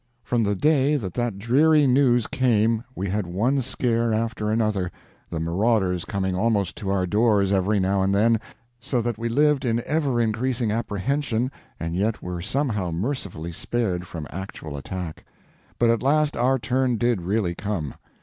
From the day that that dreary news came we had one scare after another, the marauders coming almost to our doors every now and then; so that we lived in ever increasing apprehension, and yet were somehow mercifully spared from actual attack. But at last our turn did really come.